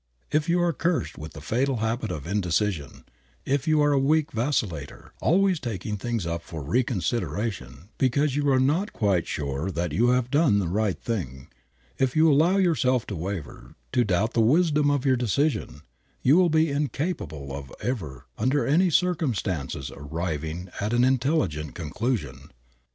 If you are cursed with the fatal habit of indecision; if you are a weak vacillator, always taking things up for reconsideration because you are not quite sure that you have done the right thing; if you allow yourself to waver, to doubt the wisdom of your decision, you will be incapable of ever under any circumstances arriving at an intelligent conclusion.